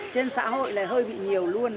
trên xã hội là hơi bị nhiều luôn